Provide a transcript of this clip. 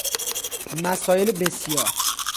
مسایل بسیار